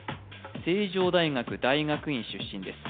成城大学大学院出身です